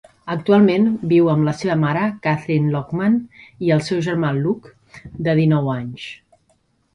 Actualment viu amb la seva mare, Kathryn Loughnan, i el seu germà Luke, de dinou anys.